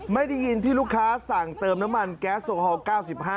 ไม่ได้ยินที่ลูกค้าสั่งเติมน้ำมันแก๊สโอฮอล๙๕